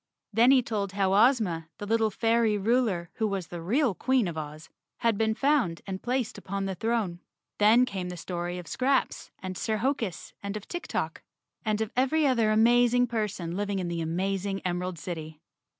Then he told how Ozma, the little fairy ruler, who was the real Queen of Oz, had been found and placed upon the throne. Then came the story of Scraps and Sir Hokus and of Tik Tok, and of every other amazing person living in the amazing Em¬ erald City.